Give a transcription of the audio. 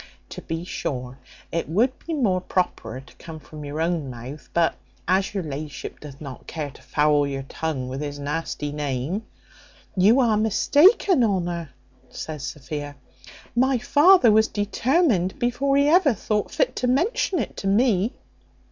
To be sure, it would be more properer to come from your own mouth; but as your la'ship doth not care to foul your tongue with his nasty name " "You are mistaken, Honour," says Sophia; "my father was determined before he ever thought fit to mention it to me."